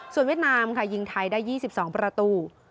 ส่วนเวียดนามค่ะยิงไทยได้ยี่สิบสองประตู